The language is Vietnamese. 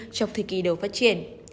trong thời kỳ đầu phát triển